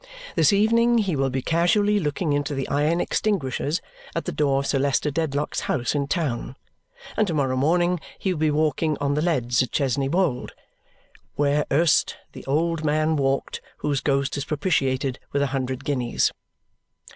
This evening he will be casually looking into the iron extinguishers at the door of Sir Leicester Dedlock's house in town; and to morrow morning he will be walking on the leads at Chesney Wold, where erst the old man walked whose ghost is propitiated with a hundred guineas.